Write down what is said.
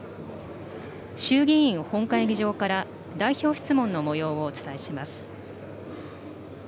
衆議院本会議場から、代表質問のもようをお伝えします。